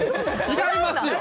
違いますよ。